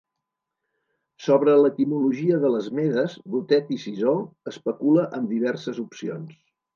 Sobre l'etimologia de les Medes, Botet i Sisó especula amb diverses opcions.